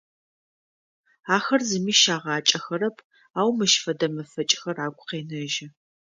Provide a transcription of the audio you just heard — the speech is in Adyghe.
Ахэр зыми щагъакӏэхэрэп, ау мыщ фэдэ мэфэкӏхэр агу къенэжьы.